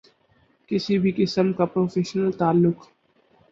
کسی بھی قسم کا پروفیشنل تعلق